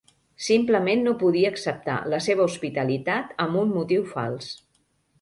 Simplement no podia acceptar la seva hospitalitat amb un motiu fals.